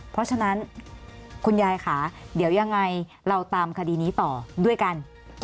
เพราะฉะนั้นคุณยายค่ะเดี๋ยวยังไงเราตามคดีนี้ต่อด้วยกัน